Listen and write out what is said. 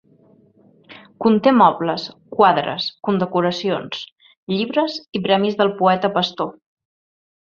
Conté mobles, quadres, condecoracions, llibres i premis del poeta Pastor.